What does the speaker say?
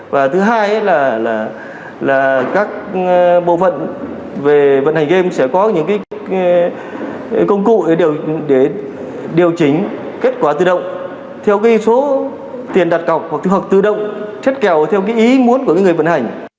và thứ hai là các bộ phận về vận hành game sẽ có những công cụ để điều chỉnh kết quả tự động theo số tiền đặt cọc hoặc tự động chất kèo theo cái ý muốn của người vận hành